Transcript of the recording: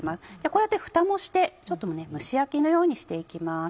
こうやってフタもして蒸し焼きのようにして行きます。